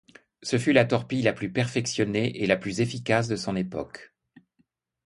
Ce fut la torpille la plus perfectionnée et la plus efficace de son époque.